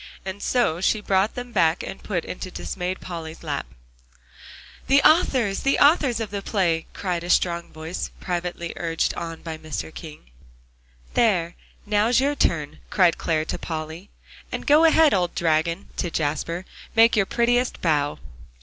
And so she brought them back to put into dismayed Polly's lap. "The authors the authors of the play!" cried a strong voice, privately urged on by Mr. King. "There, now's your turn," cried Clare to Polly. "And go ahead, old dragon," to Jasper, "make your prettiest bow."